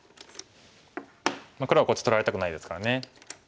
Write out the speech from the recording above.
黒はこっち取られたくないですからね。